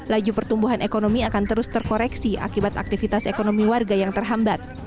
laju pertumbuhan ekonomi akan terus terkoreksi akibat aktivitas ekonomi warga yang terhambat